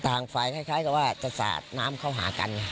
ฝ่ายคล้ายกับว่าจะสาดน้ำเข้าหากัน